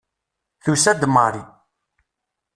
Tusa-d Mary.